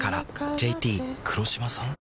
ＪＴ黒島さん？